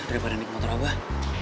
daripada naik motor abah